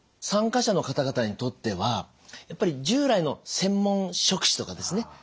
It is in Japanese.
参加者の方々にとってはやっぱり従来の専門職種とかですね